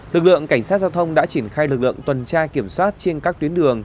thượng cảnh sát giao thông đã triển khai lực lượng tuần tra kiểm soát trên các tuyến đường